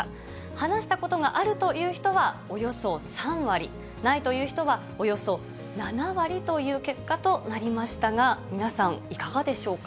話したことがあるという人はおよそ３割、ないという人はおよそ７割という結果となりましたが、皆さん、いかがでしょうか。